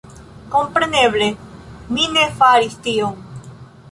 Kompreneble, mi ne faris tion